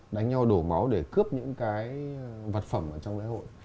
đánh nhau đổ máu để cướp những cái vật phẩm ở trong lễ hội